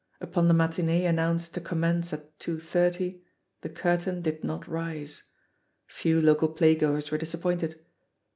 Upon the matinee annoimced to commence ai 2.80, the ciu tain did not rise. Few local play goers were disappointed.